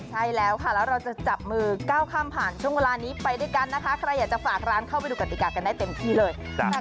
ใช่แล้วค่ะแล้วเราจะจับมือก้าวข้ามผ่านช่วงเวลานี้ไปด้วยกันนะคะใครอยากจะฝากร้านเข้าไปดูกติกากันได้เต็มที่เลย